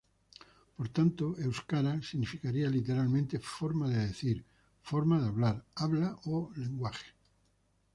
Por tanto, "euskara" significaría literalmente "forma de decir", "forma de hablar", "habla" o "lenguaje".